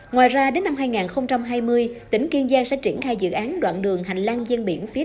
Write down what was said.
ngoài ra đến năm hai nghìn hai mươi tỉnh kiên giang sẽ triển khai dự án đoạn đường hành lang gian biển phía